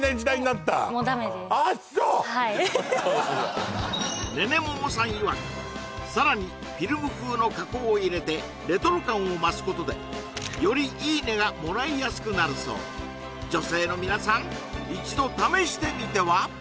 そうはいねねももさんいわくさらにフィルム風の加工を入れてレトロ感を増すことでよりいいねがもらいやすくなるそう女性の皆さん一度試してみては？